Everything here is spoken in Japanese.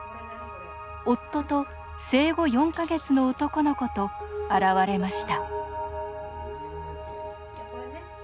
夫と生後４か月の男の子と現れました